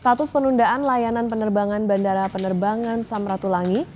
status penundaan layanan penerbangan bandara penerbangan samratulangi